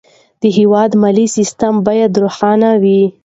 د هېواد مالي سیستم باید روښانه وي.